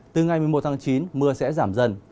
từ ngày một mươi một tháng chín mưa sẽ giảm dần